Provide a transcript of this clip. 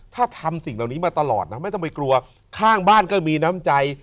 ถ้าทำสิ่งเหล่านี้มาตลอดนะไม่ต้องไปกลัวข้างบ้านก็มีน้ำใจ